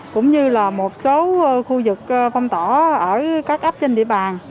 cũng như là một số khu vực phong tỏa ở các ấp trên địa bàn